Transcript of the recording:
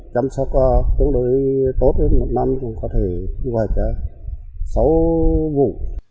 chăm sóc cũng đối tốt một năm cũng có thể như vậy sáu vụ